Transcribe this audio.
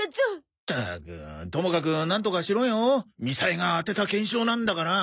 ったくともかくなんとかしろよみさえが当てた懸賞なんだから。